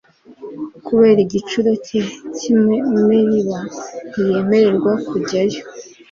Kubera igicumuro cye cy'i Meriba ntiyemererwa kujyayo.